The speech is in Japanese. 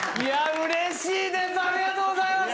うれしいです。